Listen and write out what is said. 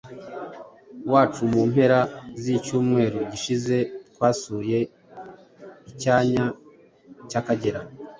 wacu mu mpera z’icyumweru gishize twasuye icyanya cy’Akagera